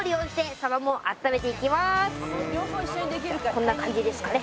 こんな感じですかね。